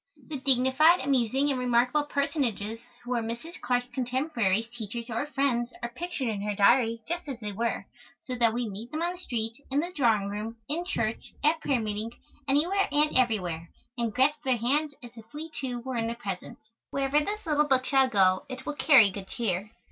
The dignified, amusing and remarkable personages who were Mrs. Clarke's contemporaries, teachers, or friends are pictured in her Diary just as they were, so that we meet them on the street, in the drawing room, in church, at prayer meeting, anywhere and everywhere, and grasp their hands as if we, too, were in their presence. Wherever this little book shall go it will carry good cheer.